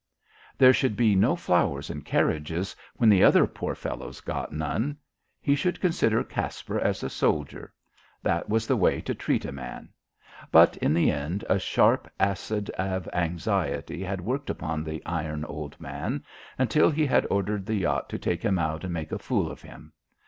There should be no flowers and carriages when the other poor fellows got none. He should consider Caspar as a soldier. That was the way to treat a man. But in the end a sharp acid of anxiety had worked upon the iron old man, until he had ordered the yacht to take him out and make a fool of him.